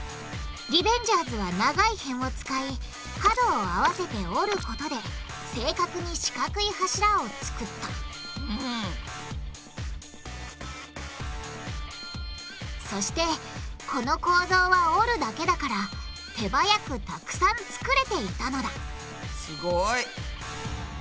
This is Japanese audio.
リベンジャーズは長い辺を使い角を合わせて折ることで正確に四角い柱を作ったそしてこの構造は折るだけだから手早くたくさん作れていたのだすごい！